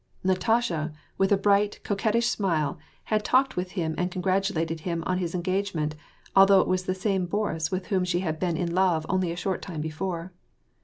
Natasha, with a brig^ht, coquettish smile, had talked with him and congratulated him on his en gagement, although it was the same Boris with whom she had been in love only a short time before.